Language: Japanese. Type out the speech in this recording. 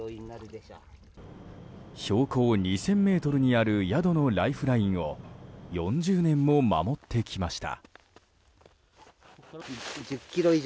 標高２０００ｍにある宿のライフラインを４０年も守ってきました。